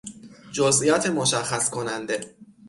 جزئیات مشخص کننده